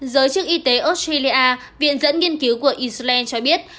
giới chức y tế australia viện dẫn nghiên cứu của israel cho biết